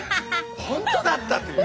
本当だったという。